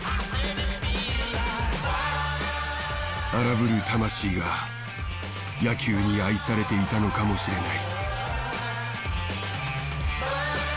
荒ぶる魂が野球に愛されていたのかもしれない。